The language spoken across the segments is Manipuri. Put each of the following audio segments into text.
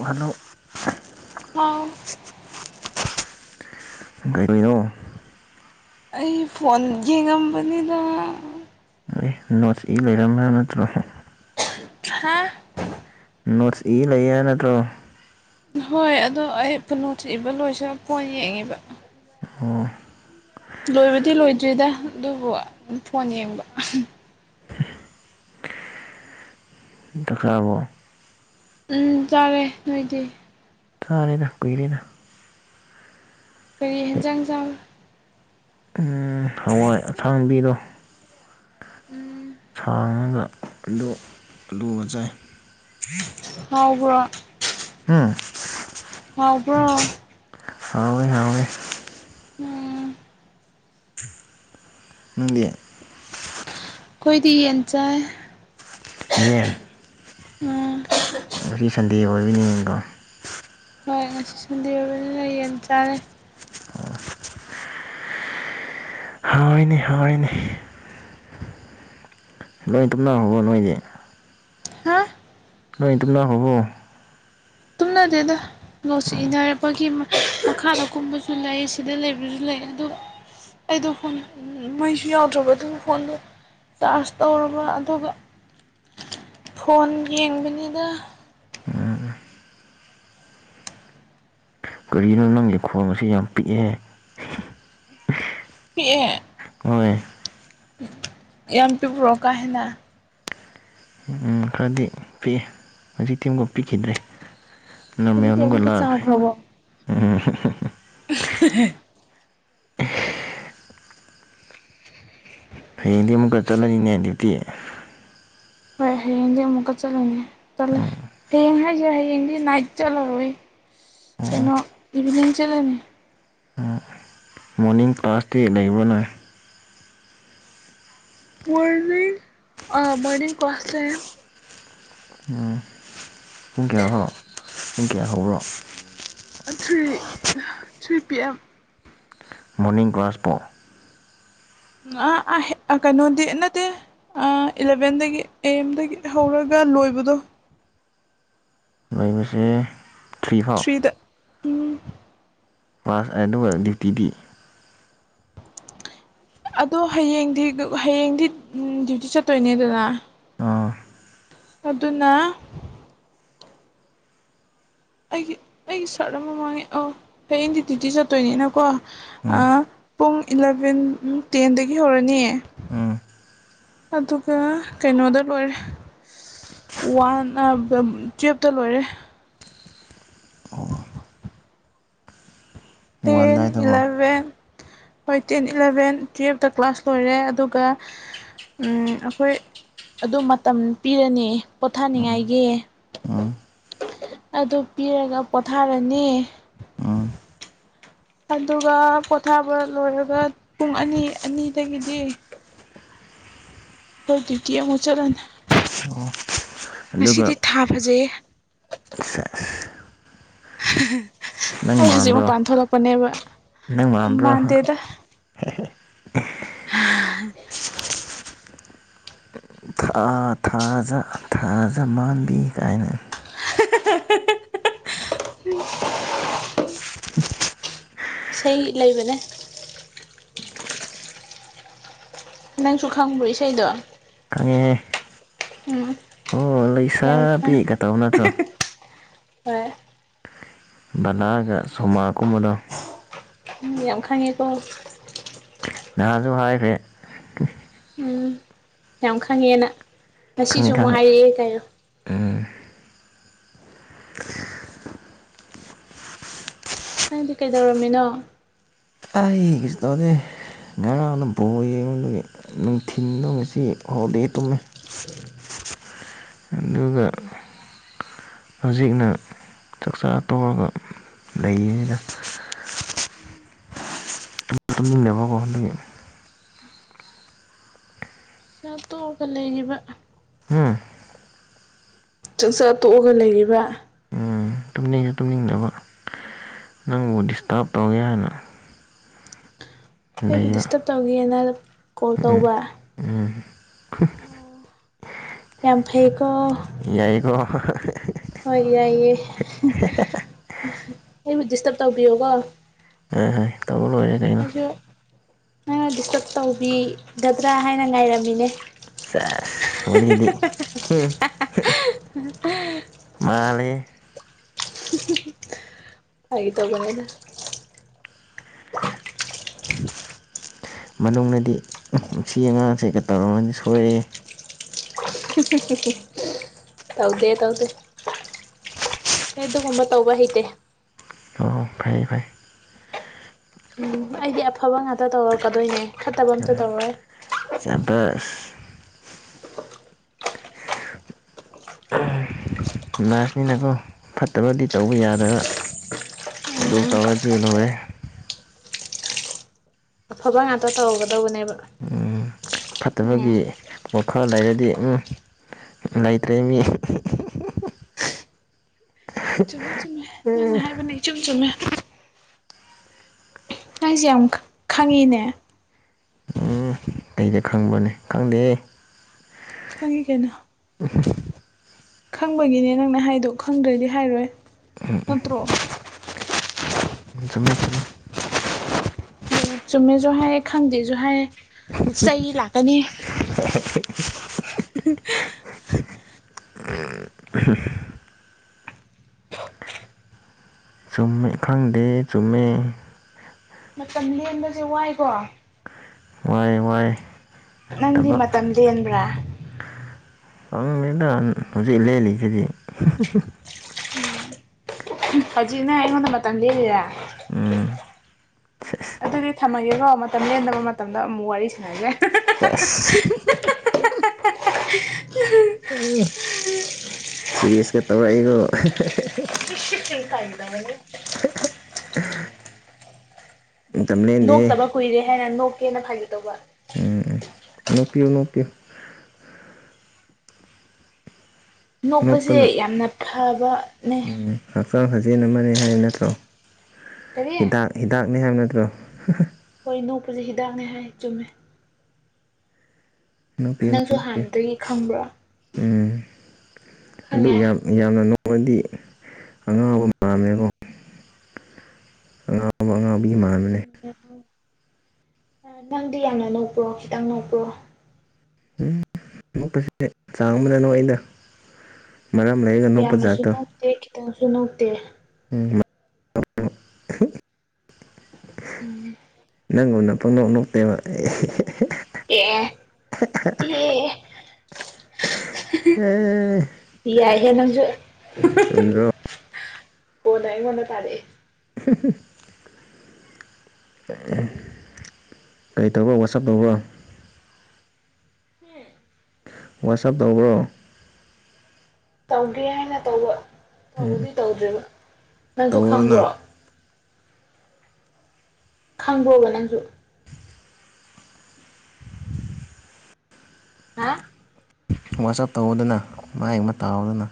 ꯍꯜꯂꯣ [unintelligible] ꯑꯩ ꯐꯣꯟ ꯌꯦꯡꯉꯝꯕꯅꯤꯗ ꯑꯦ ꯅꯣꯠꯁ ꯏ ꯂꯩꯔꯝ [unintelligible] ꯅꯠꯇ꯭ꯔꯣ [unintelligible] ꯅꯣꯠꯁ ꯏ ꯂꯩꯌꯦ ꯍꯥꯏ ꯅꯠꯇ꯭ꯔꯣ ꯍꯣꯏ ꯑꯗꯣ ꯑꯩ ꯄꯨ ꯅꯣꯠꯁ ꯏꯕ ꯂꯣꯏꯁꯤꯜꯂ ꯐꯣꯟ ꯌꯦꯡꯉꯤꯕ ꯑꯣ ꯂꯣꯏꯕꯗꯤ ꯂꯣꯏꯗ꯭ꯔꯤꯗ ꯑꯗꯨꯕꯨ ꯐꯣꯟ ꯌꯦꯡꯕ ꯆꯥꯛ ꯆꯥꯔꯕꯣ ꯎꯝ ꯆꯥꯔꯦ ꯅꯣꯏꯗꯤ ꯆꯥꯔꯦꯗ ꯀꯨꯏꯔꯦꯅ ꯀꯔꯤ ꯍꯦꯟꯖꯥꯡ ꯆꯥꯕ ꯎꯝ ꯍꯋꯥꯏ ꯑꯊꯥꯡꯕꯤꯗꯣ ꯎꯝ ꯁꯥꯡꯉꯥꯒ ꯑꯂꯨ ꯑꯂꯨꯒ ꯆꯥꯏ ꯍꯥꯎꯕ꯭ꯔꯣ ꯍꯥ ꯍꯥꯎꯕ꯭ꯔꯣ ꯍꯥꯎꯋꯦ ꯍꯥꯎꯋꯦ ꯎꯨꯝ ꯅꯪꯗꯤ ꯈꯣꯏꯗꯤ ꯌꯦꯟ ꯆꯥꯏ ꯌꯦꯟ ꯎꯝ ꯉꯁꯤ ꯁꯟꯗꯦ ꯑꯣꯏꯕꯣꯏ ꯆꯤꯡꯉꯤꯀꯣ ꯍꯣꯏ ꯉꯁꯤ ꯁꯟꯗꯦ ꯑꯣꯏꯕꯅꯤꯅ ꯌꯦꯟ ꯆꯥꯔꯦ ꯍꯥꯎꯋꯤꯅꯦ ꯍꯥꯎꯔꯦꯅꯦ ꯂꯣꯏ ꯇꯨꯝꯅꯈꯔꯥꯕꯣ ꯅꯣꯏꯗꯤ ꯍꯥ ꯂꯣꯏ ꯇꯨꯝꯅꯈꯔꯥꯕꯣ ꯇꯨꯝꯅꯗꯦꯗ ꯅꯣꯠꯁ ꯏꯅꯔꯛꯄꯒꯤ ꯃꯈꯥꯗ ꯀꯨꯝꯕꯁꯨ ꯂꯩ ꯁꯤꯗ ꯂꯩꯕꯁꯨ ꯂꯩ ꯑꯗꯣ ꯑꯩꯗꯣ ꯐꯣꯟ ꯃꯩꯁꯨ ꯌꯥꯎꯗ꯭ꯔꯥꯕ ꯑꯗꯨ ꯐꯣꯟꯗꯣ ꯆꯥꯔꯁ ꯇꯧꯔꯨꯕ ꯑꯗꯨꯒ ꯐꯣꯟ ꯌꯦꯡꯕꯅꯤꯅ ꯀꯔꯤꯒꯤꯅꯣ ꯅꯪꯒꯤ ꯈꯣꯟꯁꯦ ꯌꯥꯝ ꯄꯤꯛꯑꯦ ꯄꯤꯛꯑꯦ ꯍꯣꯏ ꯌꯥꯝ ꯄꯤꯛꯄ꯭ꯔꯣ ꯀꯥ ꯍꯦꯟꯅ ꯎꯝ ꯈꯔꯗꯤ ꯄꯤꯑꯦ ꯍꯧꯖꯤꯛꯇꯤ ꯑꯃꯨꯛ ꯄꯤꯈꯤꯗ꯭ꯔꯦ ꯅꯣꯔꯃꯦꯟ ꯍꯧꯖꯤꯛꯇꯤ ꯅꯨꯡꯒ ꯑꯃꯨꯛꯀ ꯂꯥꯛꯈ꯭ꯔꯦ ꯆꯥꯎꯈ꯭ꯔꯕꯣ ꯎꯝ [unintelligible] ꯍꯌꯦꯡꯗꯤ ꯑꯃꯨꯛꯀ ꯆꯠꯂꯅꯤꯅꯦ ꯑꯗꯨꯗꯤ ꯍꯣꯏ ꯍꯌꯦꯡꯗꯤ ꯑꯃꯨꯛꯀ ꯆꯠꯂꯅꯤ ꯆꯠꯂꯦ ꯍꯌꯦꯡ ꯍꯥꯏꯁꯦ ꯍꯌꯦꯡꯗꯤ ꯅꯥꯏꯠ ꯆꯠꯂꯔꯣꯏꯌꯦ ꯑꯣ ꯀꯩꯅꯣ ꯏꯚꯤꯅꯤꯡ ꯆꯠꯂꯅꯤ ꯃꯣꯔꯅꯤꯡ ꯀ꯭ꯂꯥꯁꯇꯤ ꯂꯩꯕꯔꯣꯅꯦ ꯃꯣꯔꯅꯤꯡ ꯑꯥ ꯃꯣꯔꯅꯤꯡ ꯀ꯭ꯂꯥꯁ ꯂꯩꯌꯦ ꯎꯝ ꯄꯨꯡ ꯀꯌꯥ ꯐꯥꯎ ꯄꯨꯡ ꯀꯌꯥ ꯍꯧꯕꯔꯣ three three P M morning ꯀ꯭ꯂꯥꯁꯄꯣ ꯑꯥ ꯀꯩꯅꯣꯗꯤ ꯅꯠꯇꯦ ꯑꯥ ꯏꯂꯥꯚꯦꯟꯗꯒꯤ ꯑꯦ ꯑꯦꯝꯗꯒꯤ ꯍꯧꯔꯒ ꯂꯣꯏꯕꯗꯣ ꯂꯣꯏꯕꯁꯦ ꯇ꯭ꯔꯤ ꯐꯥꯎ ꯊ꯭ꯔꯤꯗ ꯎꯝ ꯀ꯭ꯂꯥꯁ ꯑꯗꯨꯒ ꯗ꯭ꯌꯨꯇꯤꯗꯤ ꯑꯗꯣ ꯍꯌꯦꯡꯗꯤ ꯍꯌꯦꯡꯗꯤ ꯗ꯭ꯌꯨꯇꯤ ꯆꯠꯇꯣꯏꯅꯦꯗꯅ ꯑꯥ ꯑꯗꯨꯅ ꯑꯩꯒꯤ ꯑꯩꯒꯤ ꯁꯥꯔꯠ ꯑꯃ ꯃꯥꯡꯉꯦ ꯑꯧ ꯍꯌꯦꯡꯗꯤ ꯗꯤꯌꯨꯇꯤ ꯆꯠꯇꯣꯏꯅꯤꯅꯀꯣ ꯎꯝ ꯑꯥ ꯄꯨꯡ ꯏꯂꯚꯦꯟ ꯇꯦꯟꯗꯒꯤ ꯍꯧꯔꯅꯤ ꯎꯝ ꯑꯗꯨꯒ ꯀꯩꯅꯣꯗ ꯂꯣꯏꯔꯦ ꯋꯥꯟ ꯇꯨꯋꯦꯞꯇ ꯂꯣꯏꯔꯦ ꯑꯣ ꯋꯥꯟ ꯇꯦꯟ ꯑꯗꯥꯏꯗꯀꯣ ꯏꯂꯥꯚꯦꯟ ꯍꯣꯏ ꯇꯦꯟ ꯏꯂꯥꯚꯦꯟ ꯇꯨꯌꯦꯞꯇ ꯀ꯭ꯂꯥꯁ ꯂꯣꯏꯔꯦ ꯑꯗꯨꯒ ꯎꯝ ꯑꯩꯈꯣꯏ ꯑꯗꯨ ꯃꯇꯝ ꯄꯤꯔꯅꯤ ꯄꯣꯊꯥꯅꯤꯡꯉꯥꯏꯒꯤ ꯎꯝ ꯑꯗꯨ ꯄꯤꯔꯒ ꯄꯣꯊꯥꯔꯅꯤ ꯎꯝ ꯑꯗꯨꯒ ꯄꯣꯊꯥꯕ ꯂꯣꯏꯔꯒ ꯄꯨꯡ ꯑꯅꯤ ꯑꯅꯤꯗꯒꯤꯗꯤ ꯑꯩꯈꯣꯏ ꯗꯤꯌꯨꯇꯤ ꯑꯃꯨꯛ ꯆꯠꯂꯅꯤ ꯉꯁꯤꯗꯤ ꯑꯗꯨꯒ ꯊꯥ ꯐꯖꯩꯌꯦ ꯁꯦꯁ ꯅꯪ ꯑꯩ ꯍꯧꯖꯤꯛ ꯃꯥꯟꯕ꯭ꯔꯣ ꯃꯄꯥꯟ ꯊꯣꯛꯂꯛꯄꯅꯦꯕ ꯅꯪ ꯃꯥꯟꯕ꯭ꯔꯣ ꯃꯥꯟꯗꯦꯗ [unintelligible] [unintelligible] ꯊꯥ ꯊꯥꯖ ꯊꯥꯖ ꯃꯥꯟꯕꯤ ꯀꯥꯏꯅ [unintelligible] ꯏꯁꯩ ꯂꯩꯕꯅꯦ꯫ ꯅꯪꯁꯨ ꯈꯪꯕ꯭ꯔꯣ ꯏꯁꯩꯗꯣ ꯈꯪꯉꯦꯍꯦ ꯎꯝ ꯍꯣ ꯌꯥꯝ ꯈꯪ ꯂꯩꯁꯥꯕꯤꯒ ꯇꯧ ꯅꯠꯇ꯭ꯔꯣ꯫ ꯍꯣꯏ ꯕꯂꯥꯒ ꯁꯃꯥꯒ ꯀꯨꯝꯕꯗꯣ꯫ ꯎꯝ ꯌꯥꯝ ꯈꯪꯉꯤꯀꯣ꯫ ꯅꯍꯥꯟꯁꯨ ꯍꯥꯏꯈ꯭ꯔꯦ꯫ ꯎꯝ ꯌꯥꯝ ꯈꯪꯉꯦꯅ ꯉꯁꯤꯁꯨ ꯈꯪꯉꯦ ꯑꯃꯨꯛ ꯈꯪꯉꯦ ꯍꯥꯏꯔꯛꯑꯦ ꯀꯥꯏ꯫ ꯎꯝ [inaudible] ꯅꯪꯗꯤ ꯀꯩꯗꯧꯔꯝꯃꯤꯅꯣ? ꯑꯩ ꯀꯩꯁꯨ ꯇꯧꯗꯦ꯫ ꯉꯔꯥꯡꯅ ꯕꯣꯜ ꯌꯦꯡꯕꯒꯤ ꯅꯨꯡꯊꯤꯟꯗꯣ ꯉꯁꯤ ꯍꯣꯜꯗꯦ ꯇꯨꯝꯃꯦ꯫ [inaudible] ꯑꯗꯨꯒ ꯍꯧꯖꯤꯛꯅ ꯆꯥꯛꯆꯥ ꯇꯧꯑꯒ ꯂꯩꯔꯤꯅꯤꯅ꯫ ꯇꯨꯝꯅꯤꯡꯅꯕ [unintelligible] ꯆꯥ ꯇꯣꯛꯑꯒ ꯂꯩꯔꯤꯕ꯫ ꯎꯝ ꯆꯥꯛꯆꯥ ꯇꯣꯛꯑꯒ ꯂꯩꯔꯤꯕ꯫ ꯇꯨꯝꯅꯤꯡꯉꯦ ꯇꯨꯝꯅꯤꯡꯗꯕ ꯅꯪꯕꯨ ꯗꯤꯁꯇꯥꯔꯕ ꯇꯧꯒꯦ ꯍꯥꯏꯅ꯫ ꯑꯩꯕꯨ ꯂꯩꯕ ꯗꯤꯁꯇꯔꯕ ꯇꯧꯒꯦꯅ ꯀꯣꯜ ꯇꯧꯕ꯫ ꯌꯥꯝ ꯐꯩꯀꯣ꯫ ꯌꯥꯏꯀꯣ꯫ ꯍꯣꯏ ꯌꯥꯏꯌꯦ ꯑꯩꯕꯨ ꯗꯤꯁꯇꯔꯕ ꯇꯧꯕꯤꯌꯣꯀꯣ꯫ ꯍ ꯍꯣꯏ ꯇꯧꯕ ꯂꯣꯏꯔꯦ ꯀꯩꯅꯣ꯫ ꯑꯗꯨ ꯅꯪꯅ ꯗꯤꯁꯇꯔꯕ ꯇꯧꯕꯤꯒꯗ꯭ꯔꯥ ꯍꯥꯏꯅ ꯉꯥꯏꯔꯝꯃꯤꯅꯦ꯫ ꯆꯥꯁ ꯋꯔꯤꯗꯤ꯫ ꯃꯥꯂꯦꯍꯦ꯫ ꯍꯥꯏꯒꯦ ꯇꯧꯕꯅꯦꯗ꯫ ꯃꯅꯨꯡꯅꯗꯤ ꯁꯤ ꯑꯉꯥꯡꯁꯦꯒ ꯇꯧꯔꯝꯃꯗꯤ ꯁꯣꯏꯔꯦꯍꯦ꯫ ꯇꯧꯗꯦ ꯇꯧꯗꯦ꯫ ꯑꯩ ꯑꯗꯨꯒꯨꯝꯕ ꯇꯧꯕ ꯍꯩꯇꯦ꯫ ꯑꯣ ꯐꯩ ꯐꯩ ꯎꯝ ꯑꯩꯗꯤ ꯑꯐꯕ ꯉꯥꯛꯇ ꯇꯧꯔꯛꯀꯗꯣꯏꯅꯦ ꯐꯠꯇꯕ ꯑꯝꯇ ꯌꯥꯔꯦ ꯇꯧꯔꯣꯏ꯫ ꯆꯕꯁ ꯅꯔꯁꯅꯤꯅꯀꯣ ꯐꯠꯇꯕꯗꯤ ꯇꯧꯕ ꯌꯥꯗꯕ꯫ ꯑꯗꯨ ꯇꯧꯔꯗꯤ ꯂꯣꯏꯔꯦ꯫ ꯑꯐꯕ ꯉꯥꯛꯇ ꯇꯧꯔꯒꯗꯧꯕꯅꯦꯕ꯫ ꯐꯠꯇꯕꯒꯤ ꯋꯈꯜ ꯂꯩꯔꯗꯤ ꯎꯝ ꯂꯩꯇ꯭ꯔꯦ ꯃꯤ ꯆꯨꯝꯃꯦ ꯆꯨꯝꯃꯦ ꯅꯪꯅ ꯍꯥꯏꯕꯅꯤ ꯏꯆꯨꯝ ꯆꯨꯝꯃꯦ꯫ ꯅꯪꯁꯦ ꯌꯥꯝ ꯈ ꯈꯪꯉꯤꯅꯦ ꯎꯝ ꯑꯩꯗꯤ ꯈꯪꯕꯅꯦ ꯈꯪꯗꯦ ꯈꯪꯉꯤ ꯀꯩꯅꯣ ꯎꯝ ꯈꯪꯕꯒꯤꯅꯦ ꯅꯪꯅ ꯍꯥꯏꯗꯣ ꯈꯪꯗ꯭ꯔꯗꯤ ꯍꯥꯏꯔꯣꯏ ꯅꯠꯇ꯭ꯔꯣ ꯆꯨꯝꯃꯦ ꯆꯨꯝꯃꯦ ꯆꯨꯝꯃꯦꯁꯨ ꯍꯥꯏꯌꯦ ꯈꯪꯗꯦꯁꯨ ꯍꯥꯏꯌꯦ ꯆꯩ ꯂꯥꯛꯀꯅꯤ [inaudible] [unintelligible] [unintelligible] ꯆꯨꯝꯃꯦ ꯈꯪꯗꯦ ꯆꯨꯝꯃꯦ ꯃꯇꯝ ꯂꯦꯟꯕꯖꯦ ꯋꯥꯏꯀꯣ ꯋꯥꯏꯌꯦ ꯋꯥꯏꯌꯦ ꯅꯪꯗꯤ ꯃꯇꯝ ꯂꯦꯟꯕ꯭ꯔꯥ ꯐꯝꯃꯤꯗꯥ ꯍꯧꯖꯤꯛ ꯂꯦꯟꯂꯤꯁꯤꯗꯤ ꯍꯧꯖꯤꯛ ꯅꯪ ꯑꯩꯉꯣꯟꯗ ꯃꯇꯝ ꯂꯦꯜꯂꯤꯔ ꯎꯝ ꯎꯝ ꯁꯦꯁ ꯑꯗꯨꯗꯤ ꯊꯝꯃꯒꯦꯀꯣ ꯃꯇꯝ ꯂꯦꯟꯗꯕ ꯃꯇꯝꯗ ꯑꯃꯨꯛ ꯋꯥꯔꯤ ꯁꯥꯟꯅꯖꯦ ꯁꯦꯖ ꯁꯤꯔꯤꯌꯦꯁꯀ ꯇꯧꯔꯛꯏꯀꯣ [unintelligible] ꯃꯇꯝ ꯂꯦꯟꯗꯦꯍꯦ ꯅꯣꯛꯇꯕ ꯀꯨꯏꯔꯦ ꯍꯥꯏꯅ ꯅꯣꯛꯀꯦꯅ ꯐꯥꯒꯤ ꯇꯧꯕ ꯎꯝ ꯅꯣꯛꯄꯤꯌꯨ ꯅꯣꯛꯄꯤꯌꯨ ꯅꯣꯛꯄꯁꯦ ꯅꯣꯛꯄꯅ ꯌꯥꯝꯅ ꯐꯕꯅꯦ ꯎꯝ ꯍꯛꯆꯥꯡ ꯁꯥꯖꯦꯜ ꯑꯃꯅꯦ ꯍꯥꯏꯕ ꯅꯠꯇ꯭ꯔꯣ ꯀꯔꯤ ꯍꯤꯗꯥꯛ ꯍꯤꯗꯥꯛꯅꯦ ꯍꯥꯏꯕ ꯅꯠꯇ꯭ꯔꯣ ꯍꯣꯏ ꯅꯣꯛꯄꯁꯦ ꯍꯤꯗꯥꯛꯅꯦ ꯍꯥꯏ ꯆꯨꯝꯃꯦ ꯅꯣꯛꯄꯤꯌꯨ ꯅꯪꯁꯨ ꯅꯣꯛꯄꯤꯌꯨ ꯍꯥꯟꯅꯗꯒꯤ ꯈꯪꯕ꯭ꯔꯣ ꯎꯝ ꯑꯗꯨ ꯈꯪꯉꯦ ꯌꯥꯝ ꯌꯥꯝꯅ ꯅꯣꯛꯑꯗꯤ ꯑꯉꯥꯎꯕ ꯑꯉꯥꯎ ꯑꯃꯨꯛ ꯑꯉꯥꯎꯕꯤ ꯃꯥꯟ ꯅꯪꯗꯤ ꯌꯥꯝꯅ ꯅꯣꯛꯄ꯭ꯔꯣ ꯈꯤꯇꯪ ꯅꯣꯛꯄ꯭ꯔꯣ ꯎꯝ ꯅꯣꯛꯄꯁꯦ ꯆꯥꯡ ꯑꯃꯗ ꯅꯣꯛꯏꯗ ꯃꯔꯝ ꯂꯩꯔꯒ ꯅꯣꯛꯄ ꯌꯥꯝꯅꯁꯨ ꯖꯥꯠꯇꯣ ꯅꯣꯛꯇꯦ ꯈꯤꯇꯪꯁꯨ ꯅꯣꯛꯇꯦ ꯎꯝ ꯃ ꯎꯝ ꯅꯪꯒꯨꯝꯅ ꯄꯛꯅꯣꯛ ꯅꯣꯛꯇꯦꯕ [unintelligible] ꯑꯦ ꯑꯦ ꯑꯦ ꯑꯦ ꯑꯦ ꯑꯦ ꯍꯦꯍꯦꯍꯦ ꯌꯥꯏꯍꯦ ꯅꯪꯁꯨ ꯆꯨꯝꯗ꯭ꯔꯣ ꯀꯣꯟꯅ ꯑꯩꯉꯣꯟꯗ ꯇꯥꯔꯛꯑꯦ [unintelligible] ꯀꯩ ꯇꯧꯕ꯭ꯔ ꯋꯥꯆꯞ ꯇꯧꯕ꯭ꯔꯣ [unintelligible] ꯋꯥꯆꯞ ꯇꯧꯕ꯭ꯔꯣ ꯇꯧꯒꯦ ꯍꯥꯏꯅ ꯇꯧꯕ ꯎꯝ ꯇꯧꯕꯗꯤ ꯇꯧꯗ꯭ꯔꯤꯕ ꯅꯪꯁꯨ ꯇꯧꯑꯣꯗꯅ ꯈꯪꯕ꯭ꯔꯣ ꯈꯪꯕ꯭ꯔꯣꯕ ꯅꯪꯁꯨ ꯍꯥ ꯋꯥꯆꯞ ꯇꯧꯑꯣꯗꯅ ꯃꯥꯏ ꯑꯃ ꯇꯥꯎꯗꯅ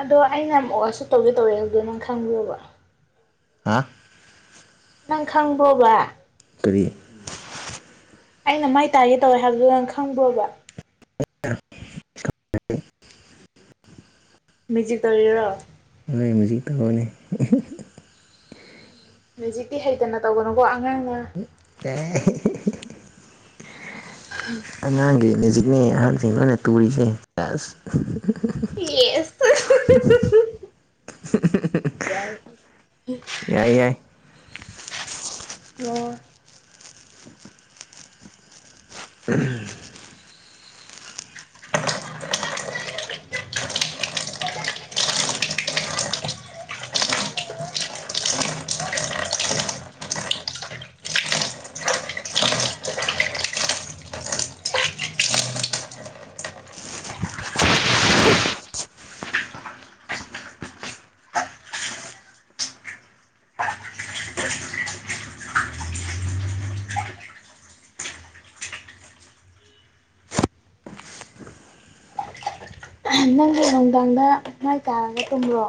ꯑꯗꯣ ꯑꯩꯅ ꯑꯃꯨꯛꯑꯁꯨ ꯇꯧꯒꯜꯗꯤ ꯇꯧꯑꯦ ꯑꯗꯣ ꯅꯪ ꯈꯪꯕ꯭ꯔꯣꯕ ꯍꯥꯥ ꯅꯪ ꯈꯪꯕ꯭ꯔꯣꯕ ꯀꯔꯤ ꯑꯩꯅ ꯃꯥꯏ ꯇꯥꯒꯦ ꯇꯧꯋꯦ ꯍꯥꯏꯕꯗꯨ ꯅꯪ ꯈꯪꯕ꯭ꯔꯣꯕ [unintelligible] ꯃꯦꯖꯤꯛ ꯇꯧꯔꯤꯔꯣ ꯍꯣꯏ ꯃꯦꯖꯤꯛ ꯇꯧꯕꯅꯤ [unintelligible] ꯃꯦꯖꯤꯛꯇꯤ ꯍꯩꯇꯅ ꯇꯧꯒꯅꯨꯀꯣ ꯑꯉꯥꯡꯅ ꯑꯦ [unintelligible] [inaudible] ꯑꯉꯥꯡꯒꯤ ꯃꯦꯖꯤꯛꯅꯦ ꯑꯍꯟꯁꯤꯡꯣꯏꯅ ꯇꯨꯔꯤꯁꯦ [unintelligible] ꯌꯦꯁ ꯌꯥꯏ ꯌꯥꯏ ꯌꯥꯏ ꯑꯣ ꯎꯝ ꯅꯪꯁꯨ ꯅꯨꯡꯗꯥꯡꯗ ꯃꯥꯏ ꯇꯥꯔꯒ ꯇꯨꯝꯕ꯭ꯔꯣ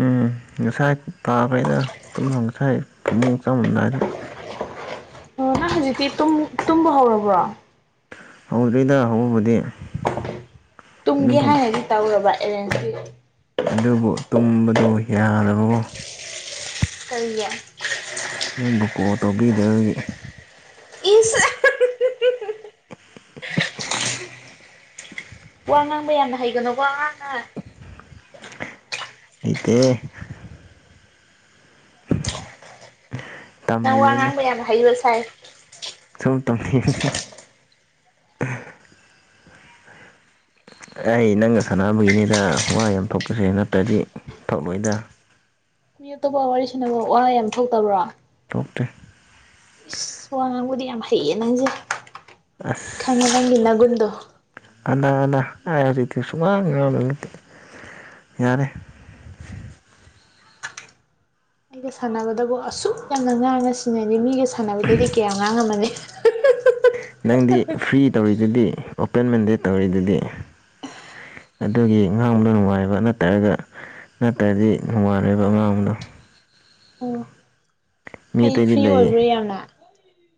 ꯎꯝ ꯉꯁꯥꯏ ꯇꯥꯕꯩꯗ ꯇꯨꯝꯅ ꯉꯁꯥꯏ ꯐꯃꯨꯡ ꯆꯪꯉꯝꯗꯥꯏꯗ ꯑꯣ ꯅꯪ ꯍꯧꯖꯤꯛꯇꯤ ꯇꯨꯝ ꯇꯨꯝꯕ ꯍꯧꯔꯕ꯭ꯔꯣ ꯍꯧꯗ‌ꯦꯗ ꯍꯧꯕꯕꯨꯗꯤ ꯇꯨꯝꯒꯦ ꯑꯗꯨꯝꯐꯝ ꯍꯥꯏꯅꯒꯤ ꯇꯧꯔꯕ ꯑꯦꯔꯦꯟꯖꯀꯤ ꯑꯗꯨꯕꯨ ꯇꯨꯝꯕꯗꯨ ꯌꯥꯗꯕꯕꯨ ꯀꯔꯤꯒꯤ ꯅꯪꯕꯨ ꯀꯣꯜ ꯇꯧꯕꯤꯗꯕꯒꯤ ꯏꯁ [unintelligible] ꯋꯥ ꯉꯥꯡꯕ ꯌꯥꯝꯅ ꯍꯩꯒꯅꯨꯀ‌ꯣ ꯑꯉꯥꯡꯅ ꯍꯩꯇ‌ꯦꯍ‌ꯦ ꯅꯪ ꯋꯥ ꯇꯝꯂꯤꯕꯅꯤ ꯉꯥꯡꯕ ꯌꯥꯝꯅ ꯍꯩꯕ ꯁꯥꯏ ꯁꯨꯝ ꯇꯨꯝꯅꯤꯡꯕꯩ ꯑꯩ ꯅꯪꯒ ꯁꯥꯟꯅꯕꯒꯤꯅꯤꯗ ꯋꯥ ꯌꯥꯝ ꯊꯣꯛꯄꯁꯦ ꯅꯠꯇ꯭ꯔꯗꯤ ꯊ‌ꯣꯛꯂꯣꯏꯗ ꯃꯤ ꯑꯇꯣꯞꯄ ꯋꯥꯔꯤ ꯁꯥꯅꯕ ꯋꯥ ꯌꯥꯝ ꯊꯣꯛꯇꯕ꯭ꯔꯣ ꯊꯣꯛꯇꯦ ꯑꯁ ꯋꯥ ꯉꯥꯡꯕꯨꯗꯤ ꯌꯥꯝ ꯍꯩꯌꯦ ꯅꯪꯁꯦ ꯈꯪꯉꯦ ꯑꯁ ꯅꯪꯒꯤ ꯅꯒꯨꯟꯗꯣ ꯑꯅꯥ ꯑꯅꯥ ꯑꯩ ꯍꯧꯖꯤꯛꯇꯤ ꯁꯨꯉꯥꯡ [unintelligible] ꯉꯥꯡꯕ ꯌꯥꯔꯦ ꯑꯩꯒ ꯁꯥꯟꯅꯕꯗꯕꯨ ꯑꯁꯨꯛ ꯌꯥꯝꯅ ꯉꯥꯡꯅ ꯁꯤꯅꯗꯤ ꯃꯤꯒ ꯁꯥꯟꯅꯕꯗꯗꯤ ꯀꯌꯥꯝ ꯉꯥꯡꯉꯝꯃꯅꯤ ꯅꯪꯗꯤ ꯐ꯭ꯔꯤ ꯇꯧꯔꯤꯗꯨꯗꯤ ꯑꯣꯄꯦꯟ ꯃꯟꯗꯦ ꯇꯧꯔꯤꯗꯨꯗꯤ ꯑꯗꯨꯒꯤ ꯉꯥꯡꯕꯗ ꯅꯨꯡꯉꯥꯏꯕ ꯅꯠꯇ꯭ꯔꯒ ꯅꯠꯇ꯭ꯔꯗꯤ ꯅꯨꯡꯉꯥꯏꯔ‌ꯣꯏꯕ ꯑꯉꯥꯡꯗꯣ ꯃꯤ ꯑꯩꯩ ꯑꯇꯩꯗꯤ ꯐ꯭ꯔꯤ ꯂꯩ ꯑꯣꯏꯕ꯭ꯔꯣ ꯌꯥꯝꯅ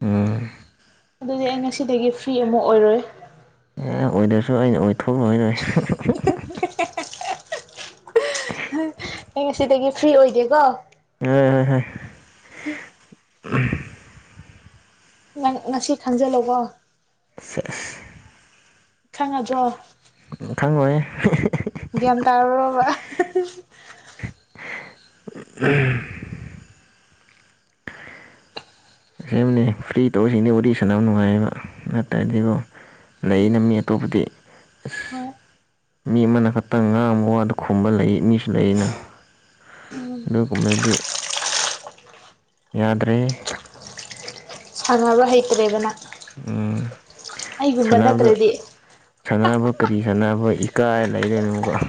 ꯎꯝ ꯑꯗꯨꯗꯤ ꯑꯩ ꯉꯁꯤꯗꯒꯤ ꯐ꯭ꯔꯤ ꯑꯃꯨꯛ ꯑꯣꯏꯔꯣꯏ ꯑꯦ ꯑꯣꯏꯗ꯭ꯔꯁꯨ ꯑꯩꯅ ꯑꯣꯏꯊꯣꯛꯂ ꯂ‌ꯣꯏꯔ‌ꯦ ꯑꯩ ꯉꯁꯤꯗꯒꯤ ꯐ꯭ꯔꯤ ꯑꯣꯏꯗꯦꯀꯣ [unintelligible] ꯅꯪ ꯉꯁꯤ ꯈꯪꯖꯜꯂꯣꯀꯣ [unintelligible] ꯈꯪꯉꯗ꯭ꯔꯣ ꯈꯪꯉꯣꯏꯌꯦ ꯒ꯭ꯌꯥꯟ ꯇꯥꯔꯕꯣꯕ ꯎꯝ ꯁꯦꯝꯅꯤ ꯐ꯭ꯔꯤ ꯇꯧꯁꯤꯅꯦ ꯋꯥꯔꯤ ꯁꯥꯟꯅ ꯅꯨꯡꯉꯥꯏꯌꯦꯕ ꯅꯠꯇꯔꯗꯤꯕꯣ ꯂꯩꯩꯅ ꯃꯤ ꯑꯇꯣꯞꯄꯗꯤ ꯍꯣꯏ ꯃꯤ ꯑꯃꯅ ꯈꯇꯪ ꯉꯥꯡꯕ ꯋꯥꯗ ꯈꯨꯝꯕ ꯂꯩꯌꯦ ꯃꯤꯁꯨ ꯂꯩꯩꯌꯦꯅ ꯑꯗꯨꯒꯨꯝꯕꯗꯤ ꯌꯥꯗ꯭ꯔꯦ ꯁꯥꯟꯅꯕ ꯍꯩꯇ꯭ꯔꯦꯕ ꯅꯪ ꯎꯝ ꯁꯥꯟꯅꯕꯗ ꯅꯠꯇ꯭ꯔꯗꯤ ꯁꯥꯟꯅꯕ ꯀꯔꯤ ꯁꯥꯟꯅꯕ ꯏꯀꯥꯏ ꯂꯩꯔ [unintelligible]